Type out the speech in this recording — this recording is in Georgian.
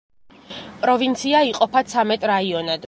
პროვინცია იყოფა ცამეტ რაიონად.